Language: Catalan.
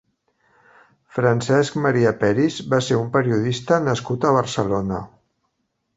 Francesc Maria Peris va ser un periodista nascut a Barcelona.